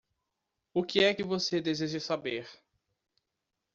O que é que você deseja saber?